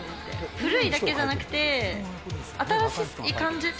古いだけじゃなくて、新しい感じ。